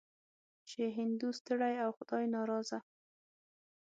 چې هندو ستړی او خدای ناراضه.